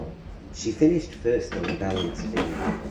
She finished first on balance beam.